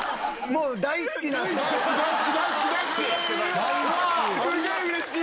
もう大好きな世代ですね。